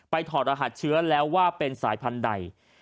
ถอดรหัสเชื้อแล้วว่าเป็นสายพันธุ์ใด